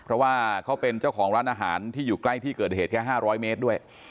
เพราะว่าเขาเป็นเจ้าของร้านอาหารที่อยู่ใกล้ที่เกิดเหตุแค่๕๐๐เมตรด้วย